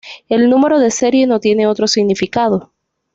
El número de serie no tiene otro significado.